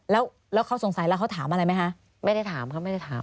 แล้วเขาสงสัยแล้วเขาถามอะไรไหมฮะ